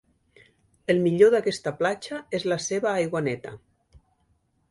El millor d'aquesta platja és la seva aigua neta.